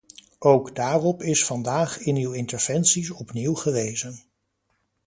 Ook daarop is vandaag in uw interventies opnieuw gewezen.